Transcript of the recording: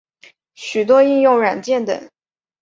许多应用软件等。